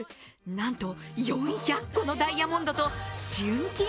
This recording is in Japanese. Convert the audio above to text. なんと４００個のダイヤモンドと純金